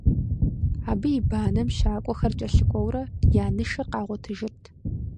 Абы и банэм щакӀуэхэр кӀэлъыкӀуэурэ, я нышыр къагъуэтыжырт.